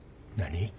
何？